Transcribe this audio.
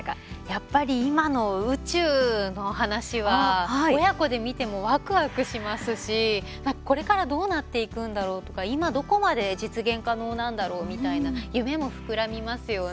やっぱり今の宇宙の話は親子で見てもわくわくしますしこれからどうなっていくんだろうとか今どこまで実現可能なんだろうみたいな夢も膨らみますよね。